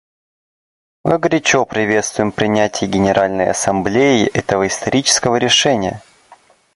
Мы горячо приветствуем принятие Генеральной Ассамблеей этого исторического решения.